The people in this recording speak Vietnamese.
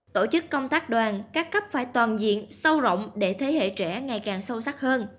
tổ chức công tác đoàn các cấp phải toàn diện sâu rộng để thế hệ trẻ ngày càng sâu sắc hơn